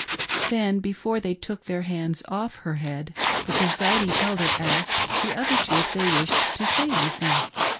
Then, before they took their hands off her head, the presid ing Elder asked the other two if they wished to say anything.